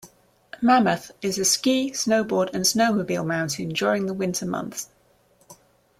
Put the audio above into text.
Mammoth is a ski, snowboard, and snowmobile mountain during the winter months.